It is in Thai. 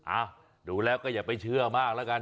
อ่ะดูแล้วก็อย่าไปเชื่อมากแล้วกัน